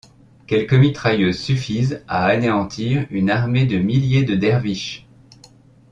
Quelques mitrailleuses suffisent à anéantir une armée de milliers de derviches.